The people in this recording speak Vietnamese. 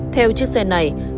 theo chiếc xe này